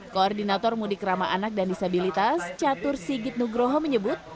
koordinator mudik ramah anak dan disabilitas catur sigit nugroho menyebut